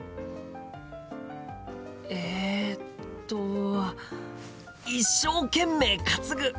えっと一生懸命担ぐ！